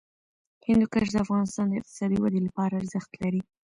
هندوکش د افغانستان د اقتصادي ودې لپاره ارزښت لري.